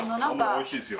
おいしいですよ。